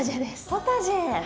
ポタジェ。